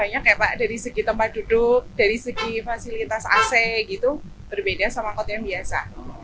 bedanya banyak dari segi tempat duduk dari segi fasilitas ac berbeda dengan kotak yang biasa